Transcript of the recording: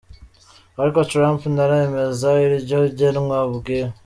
Ariko Trump ntaremeza iryo genwa ubwiwe.